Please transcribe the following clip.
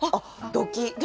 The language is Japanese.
「ドキッ」。